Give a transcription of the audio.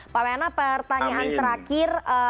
pak wayana pertanyaan terakhir